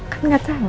kan gak tau